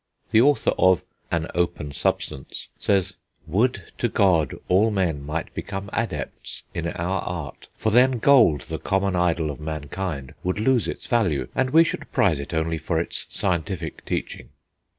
The author of An Open Substance says: "Would to God ... all men might become adepts in our art, for then gold, the common idol of mankind, would lose its value, and we should prize it only for its scientific teaching."